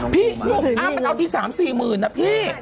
พี่อ้าวมันเอาที่๓๔หมื่นนะพี่